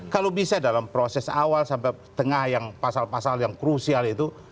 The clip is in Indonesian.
kalau bisa dalam proses awal sampai tengah yang pasal pasal yang krusial itu